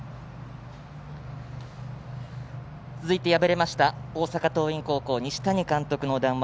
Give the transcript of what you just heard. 続いて敗れました大阪桐蔭高校、西谷監督の談話